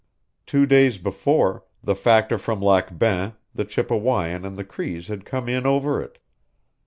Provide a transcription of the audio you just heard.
Two days before, the factor from Lac Bain, the Chippewayan and the Crees had come in over it.